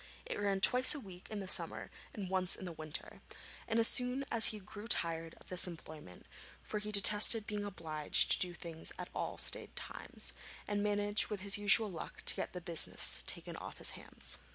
It ran twice a week in the summer and once in the winter; and as soon as he grew tired of this employment, for he detested being obliged to do things at stated times, he managed with his usual luck to get the business taken off his hands.